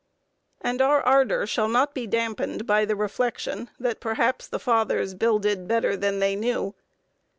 And our ardor shall not be dampened by the reflection that perhaps the Fathers builded better than they knew.